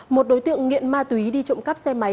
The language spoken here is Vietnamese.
một đối tượng nghiện ma túy đi trộm cắp xe máy